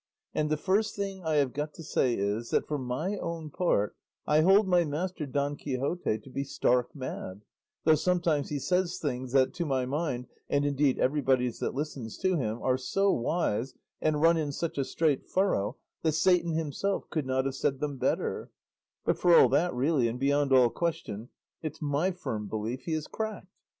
And the first thing I have got to say is, that for my own part I hold my master Don Quixote to be stark mad, though sometimes he says things that, to my mind, and indeed everybody's that listens to him, are so wise, and run in such a straight furrow, that Satan himself could not have said them better; but for all that, really, and beyond all question, it's my firm belief he is cracked.